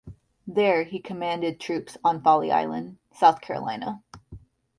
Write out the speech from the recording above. There he commanded troops on Folly Island, South Carolina.